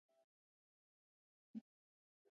بادي انرژي د افغان ځوانانو لپاره دلچسپي لري.